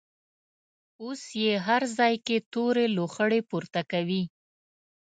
اوس یې هر ځای کې تورې لوخړې پورته کوي.